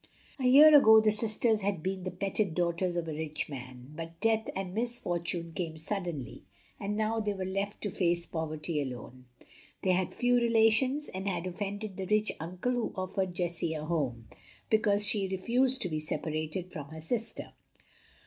A year ago the sisters had been the petted daughters of a rich man; but death and misfortune came suddenly, and now they were left to face poverty alone. They had few relations, and had offended the rich uncle who offered Jessie a home, because she refused to be separated from her sister.